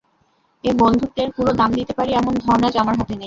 এ বন্ধুত্বের পুরো দাম দিতে পারি এমন ধন আজ আমার হাতে নেই।